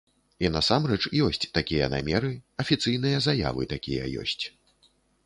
І насамрэч ёсць такія намеры, афіцыйныя заявы такія ёсць.